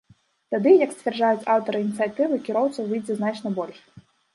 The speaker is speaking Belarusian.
Тады, як сцвярджаюць аўтары ініцыятывы, кіроўцаў выйдзе значна больш.